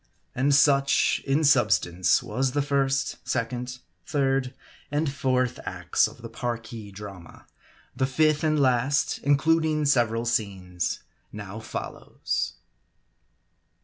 And such, in substance, was the first, second, third and fourth acts of the Parki drama. The fifth and last, includ ing several scenes, now follows.